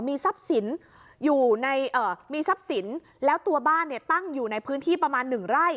มีทรัพย์สินแล้วตัวบ้านตั้งอยู่ในพื้นที่ประมาณหนึ่งไร่